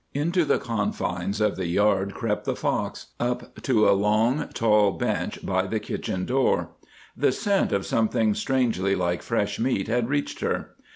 Into the confines of the yard crept the fox—up to a long, tall bench by the kitchen door. The scent of something strangely like fresh meat had reached her.